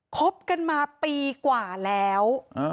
คบกันมาปีกว่าแล้ว